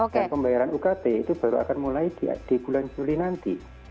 dan pembayaran ukt itu baru akan mulai di bulan juli nanti